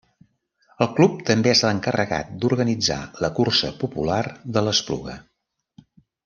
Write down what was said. El club també és l'encarregat d'organitzar la Cursa Popular de l'Espluga.